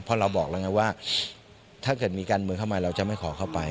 เพราะเราบอกแล้วไงว่าถ้าเกิดมีการเมืองเข้ามาเราจะไม่ขอเข้าไป